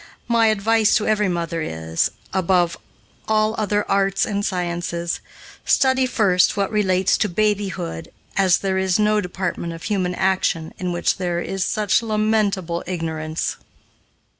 My advice to every mother is, above all other arts and sciences, study first what relates to babyhood, as there is no department of human action in which there is such lamentable ignorance.